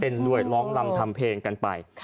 ด้วยร้องลำทำเพลงกันไป